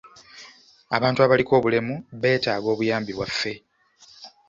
Abantu abaliko obulemu beetaaga obuyambi bwaffe.